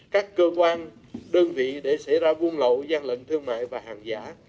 các cơ quan đơn vị để xảy ra vun lậu gian lệnh thương mại và hàng giả